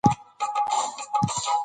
ټولنیز انحراف د ټولنې د غبرګون لامل کېږي.